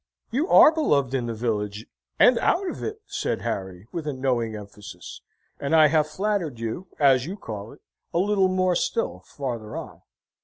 "You are beloved in the village and out of it," said Harry, with a knowing emphasis, "and I have flattered you, as you call it, a little more still, farther on."